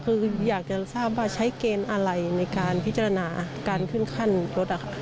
คืออยากจะทราบว่าใช้เกณฑ์อะไรในการพิจารณาการขึ้นขั้นรถ